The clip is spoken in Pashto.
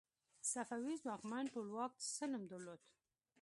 صفوي ځواکمن ټولواک څه نوم درلود؟